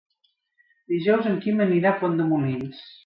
Dijous en Quim anirà a Pont de Molins.